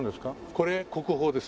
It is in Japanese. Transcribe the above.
これ国宝です。